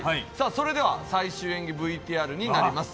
それでは最終演技ＶＴＲになります。